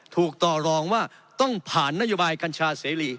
ถูกต่อรองว่าต้องผ่านนโยบายกัญชาเสรี